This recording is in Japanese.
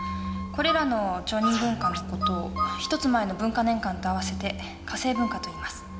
これらの町人文化の事をひとつ前の文化年間と合わせて化政文化といいます。